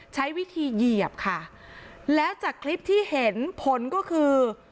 ใช้วิธีเหยียบค่ะแล้วจากคลิปที่เห็นผลก็คือ